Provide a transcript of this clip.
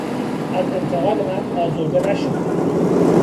از انتقاد من آزرده نشو!